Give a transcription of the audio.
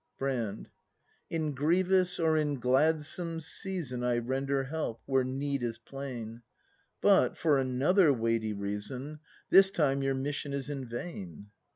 Brand. In grievous or in gladsome season I render help where need is plain; But, for another weighty reason, This time your mission is in vain.